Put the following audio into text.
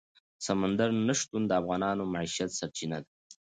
سمندر نه شتون د افغانانو د معیشت سرچینه ده.